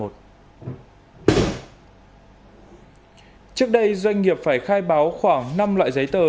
trước đây doanh nghiệp phải khai báo khoảng năm loại giấy tờ